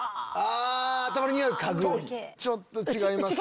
ちょっと違います。